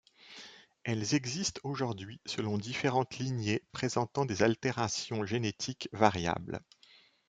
Elles existent aujourd'hui selon différentes lignées présentant des altérations génétiques variables.